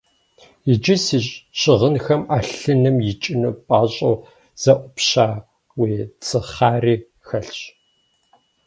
Иджы си щыгъынхэм Ӏэлъыным икӀыну пӀащӀэу зэӀупща уи цыхъарри хэлъщ.